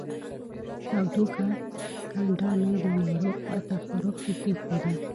تودوښ کنډه مې د ناروغ په تخرګ کې کېښوده